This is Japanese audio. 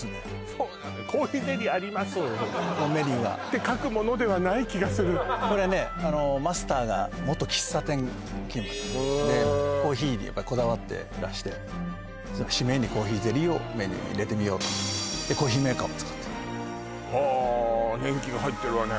そうここのメニューはって書くものではない気がするこれねマスターが元喫茶店勤務なのコーヒーにやっぱりこだわってらしてシメにコーヒーゼリーをメニューに入れてみようとコーヒーメーカーも使ってるはあ年季が入ってるわね